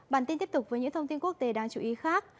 bản tin tiếp tục với những thông tin quốc tế đáng chú ý khác